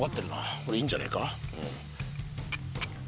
これいいんじゃねえか？